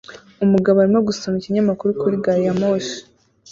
Umugabo arimo gusoma ikinyamakuru kuri gari ya moshi